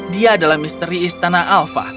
dia adalah misteri istana alfa